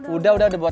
udah udah kamu aja